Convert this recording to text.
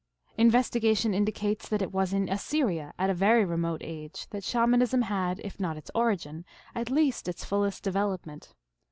Investigation indicates that it was in Assyria, at a very remote age, that Shamanism had, if not its origin, at least its fullest development.